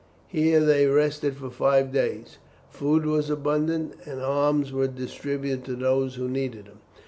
Here they rested for five days. Food was abundant, and arms were distributed to those who needed them.